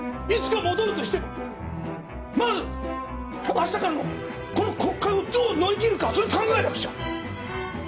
いつか戻るとしてもまず明日からのこの国会をどう乗り切るかそれ考えなくちゃ。